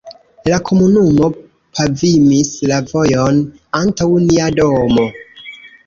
la komunumo pavimis la vojon antaŭ nia domo.